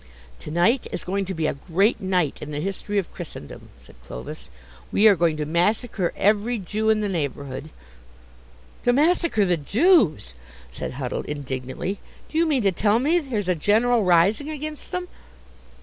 "To night is going to be a great night in the history of Christendom," said Clovis. "We are going to massacre every Jew in the neighbourhood." "To massacre the Jews!" said Huddle indignantly. "Do you mean to tell me there's a general rising against them?"